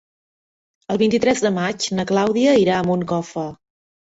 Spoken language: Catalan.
El vint-i-tres de maig na Clàudia irà a Moncofa.